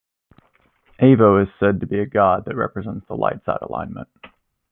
Avo is said to be a god that represents the light side alignment.